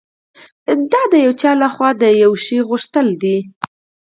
دا د یو چا لهخوا د یوه شي غوښتل دي